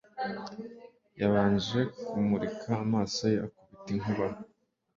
Yabanje kumurika amaso ye akubita inkuba